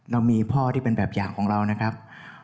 เรามีพ่อที่เป็นแบบอย่างของเรานะครับ